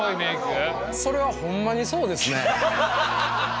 それはほんまにそうですね。